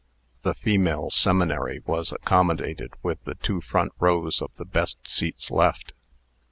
The female seminary was accommodated with the two front rows of the best seats left.